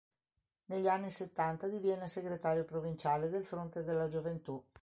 Negli anni settanta diviene segretario provinciale del Fronte della Gioventù.